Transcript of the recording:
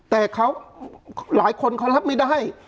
แต่เขาหลายคนเขารับไม่ได้